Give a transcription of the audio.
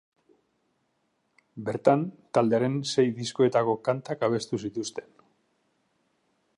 Bertan, taldearen sei diskoetako kantak abestu zituzten.